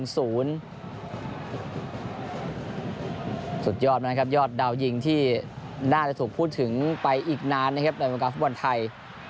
สุดยอดนะครับยอดดาวยิงที่น่าจะถูกพูดถึงไปอีกนานนะครับในวงการฟุตบอลไทย